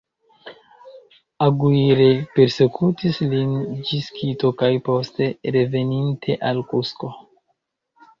Aguirre persekutis lin ĝis Kito kaj poste, reveninte, al Kusko.